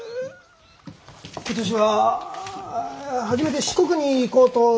今年は初めて四国に行こうと。